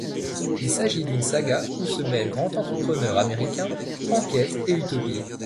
Il s'agit d'une saga où se mêlent grands entrepreneurs américains, enquête et utopie.